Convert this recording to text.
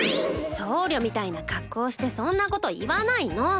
僧侶みたいな格好してそんなこと言わないの。